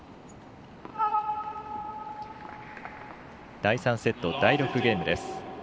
第３セット第６ゲームです。